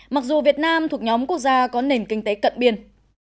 mặc dù việt nam thuộc nhóm quốc gia có nền kinh tế cận biên